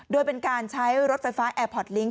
โดยเป็นการใช้รถไฟฟ้าแอร์พอร์ตลิงค